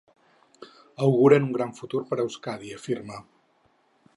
Augurem un gran futur per Euskadi, afirma.